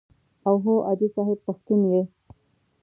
او هو حاجي صاحب پښتون یې.